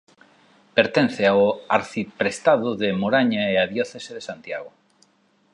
Pertence ao arciprestado de Moraña e á diocese de Santiago.